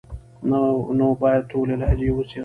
نو بايد ټولي لهجې وڅېړي،